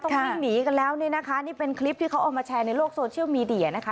วิ่งหนีกันแล้วเนี่ยนะคะนี่เป็นคลิปที่เขาเอามาแชร์ในโลกโซเชียลมีเดียนะคะ